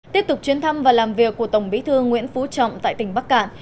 tiếp tục chuyến thăm và làm việc của tổng bí thư nguyễn phú trọng tại tỉnh bắc cạn